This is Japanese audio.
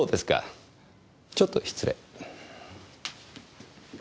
ちょっと失礼。